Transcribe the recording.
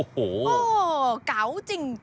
โหเก๋าจริง